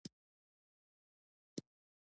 د ښوونځیو او پوهنتونونو اصلي محصلین ځوانان دي.